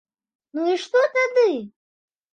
Ну і што тады?